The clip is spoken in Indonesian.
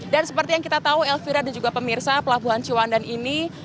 dan seperti yang kita tahu elvira dan juga pemirsa pelabuhan cewanan ini